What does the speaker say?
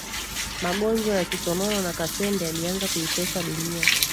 magonjwa ya kisonono na kaswende yalianza kuitesa dunia